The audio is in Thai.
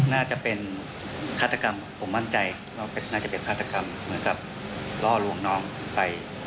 น่าจะเป็นฆาตกรรมผมมั่นใจว่าน่าจะเป็นฆาตกรรมเหมือนกับล่อลวงน้องไป